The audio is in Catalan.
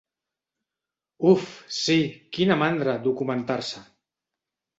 Uf, sí, quina mandra, documentar-se!